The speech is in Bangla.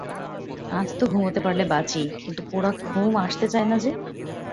আজ তো ঘুমোতে পারলে বাঁচি, কিন্তু পোড়া ঘুম আসতে চায় না যে।